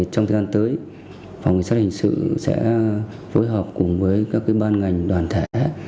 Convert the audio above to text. trong thời gian tới phòng chính sách hình sự sẽ phối hợp cùng với các ban ngành đoàn thể